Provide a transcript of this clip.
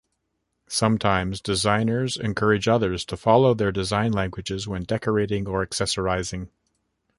Sometimes, designers encourage others to follow their design languages when decorating or accessorizing.